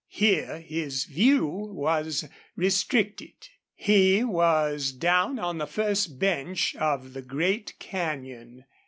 Here his view was restricted. He was down on the first bench of the great canyon.